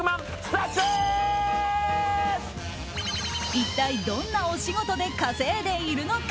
一体どんなお仕事で稼いでいるのか。